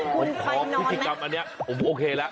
ผมขอพิธีกรรมอันเนี้ยผมโอเคละ